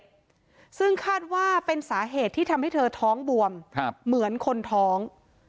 ด้วยซึ่งคาดว่าเป็นสาเหตุที่ทำให้เธอท้องบวมครับเหมือนคนท้อง